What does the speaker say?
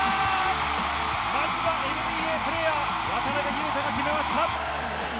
まずはＮＢＡプレーヤー渡邊雄太が決めました。